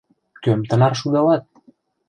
— Кӧм тынар шудалат?